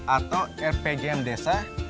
atau rpjm desa